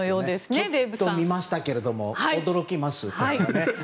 ちょっと見ましたけど驚きます。